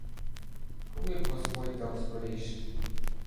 — Коли б Господь дав скоріше.